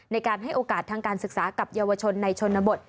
ในการให้โอกาสทางการศึกษากับเยาวชนในชนบท